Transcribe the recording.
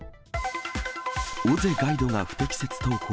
尾瀬ガイドが不適切投稿。